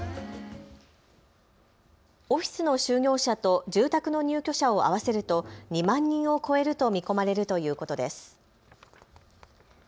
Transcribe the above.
オフィスの就業者と住宅の入居者を合わせると２万人を超えると見込まれるということです。